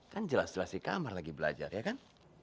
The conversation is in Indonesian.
kan jelas jelas di kamar lagi belajar ya kan